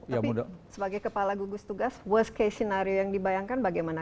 tapi sebagai kepala gugus tugas worst case scenario yang dibayangkan bagaimana